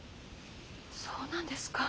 そうなんですか。